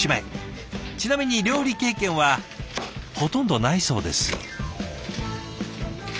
ちなみに料理経験はほとんどないそうです。